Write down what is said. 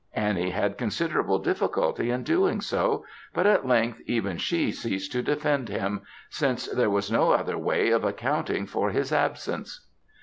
Annie had considerable difficulty in doing so; but, at length, even she ceased to defend him, since there was no other way of accounting for his absence.